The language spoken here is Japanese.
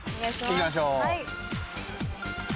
行きましょう。